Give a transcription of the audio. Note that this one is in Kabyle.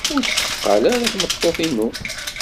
Ur d-tetteqqal ara tmeṭṭut-inu.